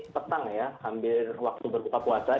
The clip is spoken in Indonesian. petang ya hampir waktu berbuka puasa